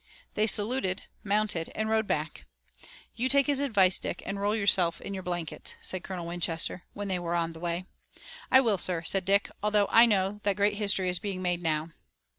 They saluted, mounted and rode back. "You take his advice, Dick, and roll yourself in your blanket," said Colonel Winchester, when they were on the way. "I will, sir," said Dick, "although I know that great history is being made now."